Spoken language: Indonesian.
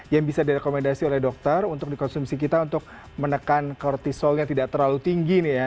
yang bisa direkomendasi oleh dokter untuk dikonsumsi kita untuk menekan kortisolnya tidak terlalu tinggi nih ya